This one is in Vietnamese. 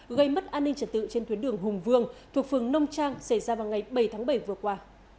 gây mất an ninh trật tự trên tuyến đường hùng vương thuộc phường nông trang xảy ra vào ngày bảy tháng bảy vừa qua